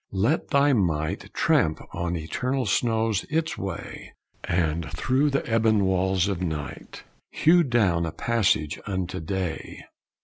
Let thy might Tramp on eternal snows its way, And through the ebon walls of night Hew down a passage unto day.